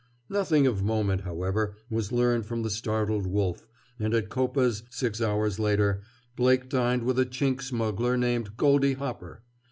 Nothing of moment, however, was learned from the startled Wolf, and at Coppa's six hours later, Blake dined with a Chink smuggler named Goldie Hopper.